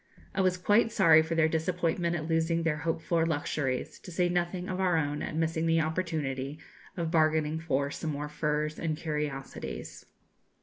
I was quite sorry for their disappointment at losing their hoped for luxuries, to say nothing of our own at missing the opportunity of bargaining for some more furs and curiosities.